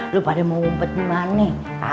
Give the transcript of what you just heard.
lu pada mau umpet gimana